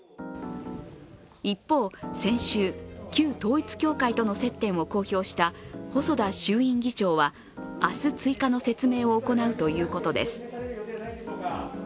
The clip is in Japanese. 一方、先週、旧統一教会との接点を公表した細田衆院議長は明日、追加の説明を行うということです。